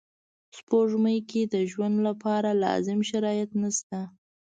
سپوږمۍ کې د ژوند لپاره لازم شرایط نشته